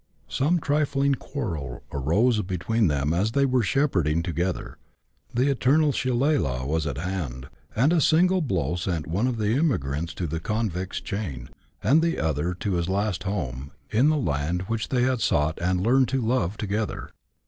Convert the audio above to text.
Some trifling quarrel arose between them as they were shepherding together, the eternal shilelagh was at hand, and a single blow sent one of the emigrants to the convict's chain, and the other to his last home, in the land which they had sought and learned to love together.